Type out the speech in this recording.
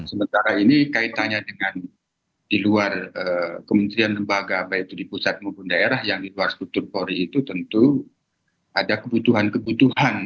sementara ini kaitannya dengan di luar kementerian lembaga baik itu di pusat maupun daerah yang di luar struktur polri itu tentu ada kebutuhan kebutuhan